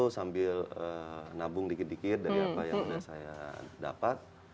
sambil nabung dikit dikit dari apa yang sudah saya dapat